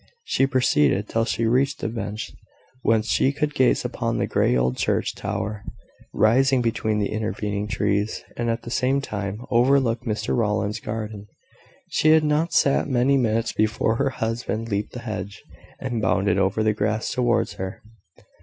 She proceeded till she reached a bench, whence she could gaze upon the grey old church tower, rising between the intervening trees, and at the same time overlook Mr Rowland's garden. She had not sat many minutes before her husband leaped the hedge, and bounded over the grass towards her.